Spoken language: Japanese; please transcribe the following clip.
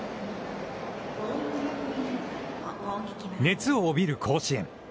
熱を帯びる甲子園。